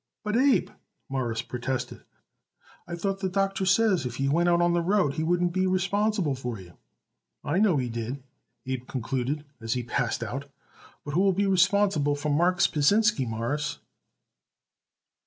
"But, Abe," Morris protested, "I thought the doctor says if you went out on the road he wouldn't be responsible for you." "I know he did," Abe concluded as he passed out, "but who will be responsible for Marks Pasinsky, Mawruss?"